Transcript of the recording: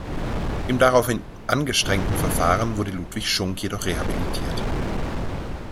Im daraufhin angestrengten Verfahren wurde Ludwig Schunk jedoch rehabilitiert.